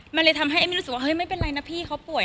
มันเลยทำให้เอมมี่รู้สึกว่าเฮ้ยไม่เป็นไรนะพี่เขาป่วย